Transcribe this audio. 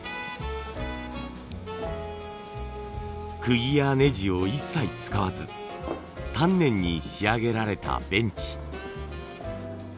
クギやネジを一切使わず丹念に仕上げられたベンチ。